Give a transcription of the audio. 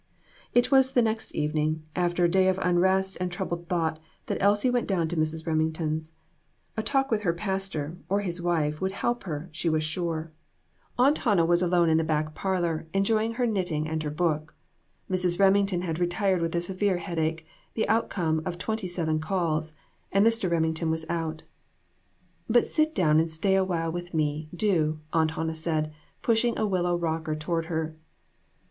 It was the next evening, after a day of unrest and troubled thought, that Elsie went down to Mrs. Remington's. A talk with her pastor or his wife would help her, she was sure. Aunt AN EVENTFUL AFTERNOON. 2Q/ Hannah was alone in the back parlor, enjoying her knitting and her book. Mrs. Remington had retired with a severe headache, the outcome of twenty seven calls, and Mr. Remington was out. "But sit down and stay awhile with me, do," Aunt Hannah said, pushing a willow rocker toward her.